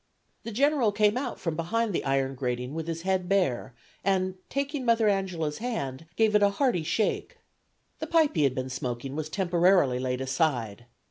The General came out from behind the iron grating with his head bare, and, taking Mother Angela's hand, gave it a hearty shake. The pipe he had been smoking was temporarily laid aside.